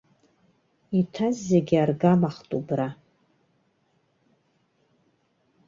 Иҭаз зегь аргамахт убра.